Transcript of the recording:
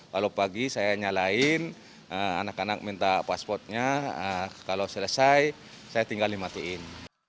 kalau pagi saya nyalain anak anak minta paspornya kalau selesai saya tinggal dimatiin